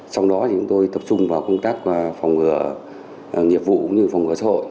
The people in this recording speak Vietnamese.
trong đó chúng tôi tập trung vào công tác phòng ngừa nghiệp vụ cũng như phòng ngừa xã hội